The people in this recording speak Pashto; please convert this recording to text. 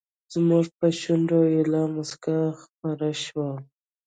زموږ پر شونډو ایله موسکا خپره شوه.